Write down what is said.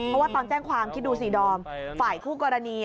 เพราะว่าตอนแจ้งความคิดดูสิดอมฝ่ายคู่กรณี